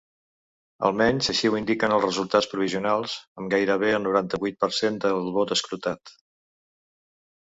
Almenys així ho indiquen els resultats provisionals, amb gairebé el noranta-vuit per cent del vot escrutat.